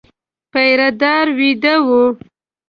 پيره دار وېده و.